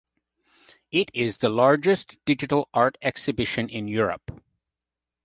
It is the largest digital art exhibition in Europe.